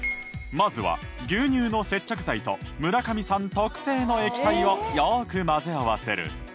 まずは牛乳の接着剤と村上さん特製の液体をよく混ぜ合わせる。